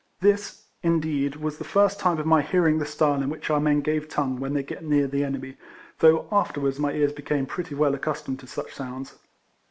This, indeed, was the first time of my hear ing the style in which our men give tongue RIFLEMAIT HARRIS. 17 when they get near the enemy, though afterwards my ears became pretty well ac customed to such sounds.